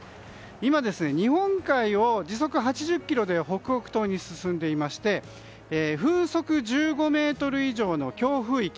今、日本海を時速８０キロで北北東に進んでいまして風速１５メートル以上の強風域。